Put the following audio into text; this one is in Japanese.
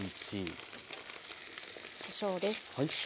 こしょうです。